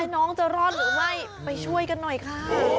น้องจะรอดหรือไม่ไปช่วยกันหน่อยค่ะ